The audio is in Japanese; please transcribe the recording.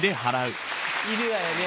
いるわよね？